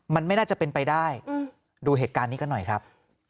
มันไม่น่าจะเป็นไปได้ดูเหตุการณ์นี้กันหน่อยครับ